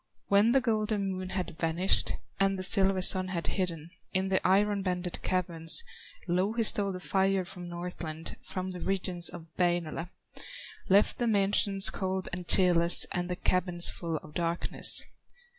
When the golden Moon had vanished, And the silver Sun had hidden In the iron banded caverns, Louhi stole the fire from Northland, From the regions of Wainola, Left the mansions cold and cheerless, And the cabins full of darkness.